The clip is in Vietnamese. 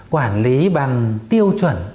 quản lý bằng tiêu chuẩn